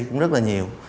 cũng rất là nhiều